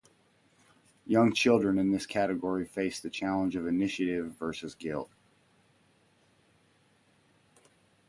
Young children in this category face the challenge of initiative versus guilt.